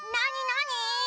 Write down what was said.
なに？